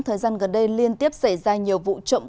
thời gian gần đây liên tiếp xảy ra nhiều vụ trộm